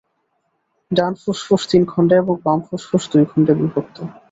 ডান ফুসফুস তিন খণ্ডে এবং বাম ফুসফুস দুই খণ্ডে বিভক্ত।